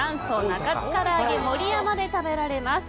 中津からあげもり山で食べられます。